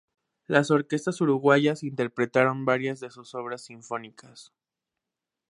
Las orquestas uruguayas interpretaron varias de sus obras sinfónicas.